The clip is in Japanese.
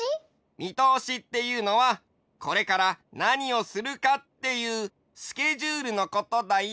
みとおしっていうのはこれからなにをするかっていうスケジュールのことだよ。